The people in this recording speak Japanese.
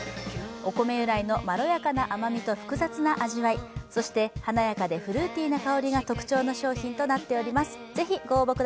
お米由来のまろやかな甘みと複雑な味わいそして華やかでフルーティな香りが特徴の商品となっております。